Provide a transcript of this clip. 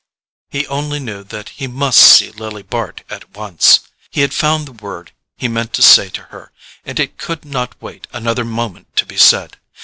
He only knew that he must see Lily Bart at once—he had found the word he meant to say to her, and it could not wait another moment to be said.